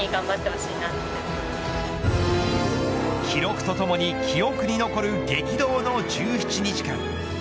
記録とともに記憶に残る激動の１７日間。